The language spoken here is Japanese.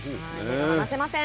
目が離せません。